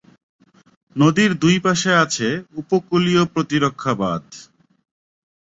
নদীর দুই পাশে আছে উপকূলীয় প্রতিরক্ষা বাঁধ।